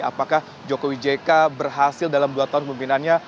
apakah jokowi jk berhasil dalam dua tahun pemimpinannya